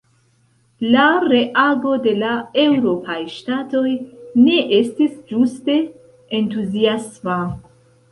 La reago de la eŭropaj ŝtatoj ne estis ĝuste entuziasma.